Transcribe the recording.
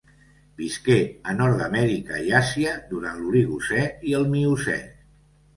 Visqué a Nord-amèrica i Àsia durant l'Oligocè i el Miocè.